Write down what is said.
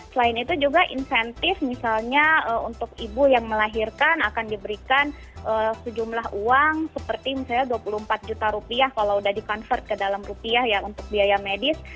selain itu juga insentif misalnya untuk ibu yang melahirkan akan diberikan sejumlah uang seperti misalnya dua puluh empat juta rupiah kalau sudah di convert ke dalam rupiah ya untuk biaya medis